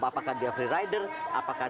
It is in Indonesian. apakah dia freerider apakah